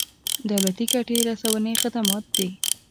دولتي ګټې رسونې خدمات دي.